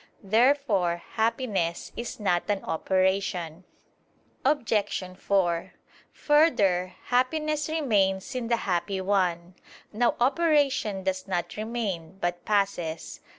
Therefore happiness is not an operation. Obj. 4: Further, happiness remains in the happy one. Now operation does not remain, but passes.